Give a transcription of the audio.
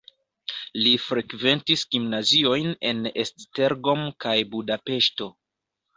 Li frekventis gimnaziojn en Esztergom kaj Budapeŝto.